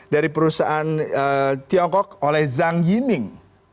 dari perusahaan tiongkok oleh zhang yining